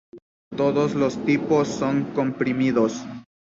Todos los tipos son comprimidos.